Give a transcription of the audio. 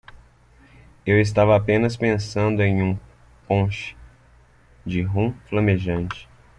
Eu estava apenas pensando em um ponche de rum flamejante.